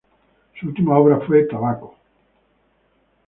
Su última obra fue "Tabaco.